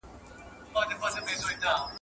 انارګل ته سجدې وړمه، کندهار ته غزل لیکم !.